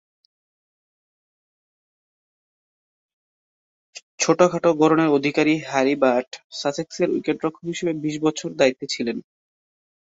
ছোটখাটো গড়নের অধিকারী হ্যারি বাট সাসেক্সের উইকেট-রক্ষক হিসেবে বিশ বছর দায়িত্বে ছিলেন।